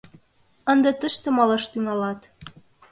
Ынде тыште малаш тӱҥалат.